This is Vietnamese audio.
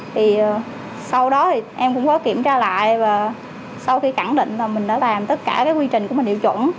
thì sau đó thì em cũng có kiểm tra lại và sau khi khẳng định là mình đã làm tất cả cái quy trình của mình hiệu chuẩn